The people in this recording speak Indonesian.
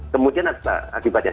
kemudian ada akibatnya